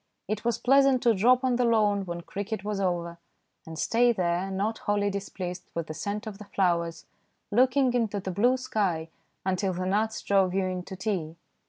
It was pleasant to drop on the lawn when cricket was over, and stay there, not wholly displeased with the scent of the flowers, looking into the blue sky until the gnats drove you in to tea.